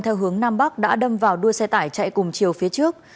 theo hướng nam bắc đã đâm vào đuôi xe tải chạy cùng chiều phía trước